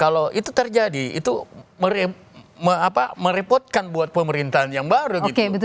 kalau itu terjadi itu merepotkan buat pemerintahan yang baru gitu